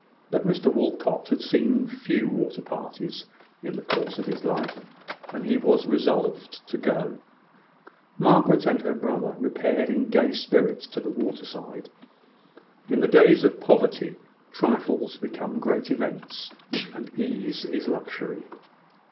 But Mr Walcot had seen few water parties in the course of his life, and he was resolved to go. Margaret and her brother repaired in gay spirits to the water side. In the days of poverty, trifles become great events, and ease is luxury.